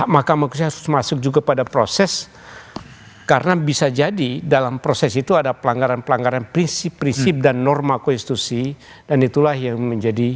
mahkamah harus masuk juga pada proses karena bisa jadi dalam proses itu ada pelanggaran pelanggaran